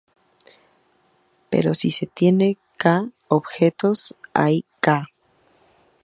Pero si se tiene "k" objetos, hay k!